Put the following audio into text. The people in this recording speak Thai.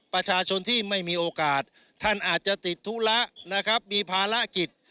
ประชาชนที่ไม่มีโอกาสท่านอาจจะติดธุระนะครับมีภารกิจ